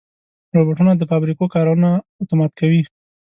روبوټونه د فابریکو کارونه اتومات کوي.